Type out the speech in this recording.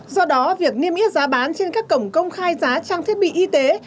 do đó việc niêm yết giá bán trên các cổng công khai giá trang thiết bị y tế